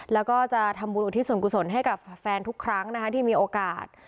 แล้วก็จะทำบุญอุทิศส่วนกุศลให้กับแฟนทุกครั้งนะคะที่มีโอกาส